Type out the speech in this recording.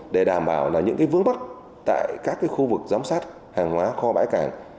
để đảm bảo là những cái vướng bắc tại các cái khu vực giám sát hàng hóa kho bãi cảng